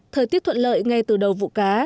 thời tiết thuận lợi ngay từ đầu vụ cá